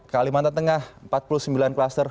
kalimantan tengah empat puluh sembilan kluster